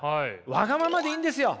わがままでいいんですよ。